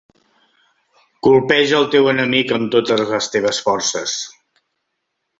Colpeja el teu enemic amb totes les teves forces.